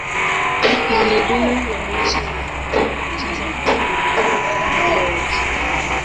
mbuni dume huonesha mahaba kwa kucheza kwa madaha mbele ya jike